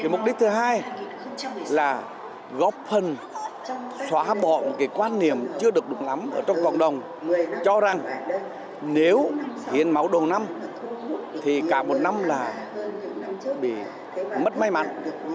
mục đích thứ hai là góp phần xóa bỏ quan niệm chưa được đúng lắm trong cộng đồng cho rằng nếu hiến máu đầu năm thì cả một năm là bị mất may mắn